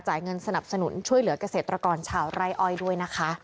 เงินสนับสนุนช่วยเหลือกเกษตรกรชาวไร่อ้อยด้วยนะคะ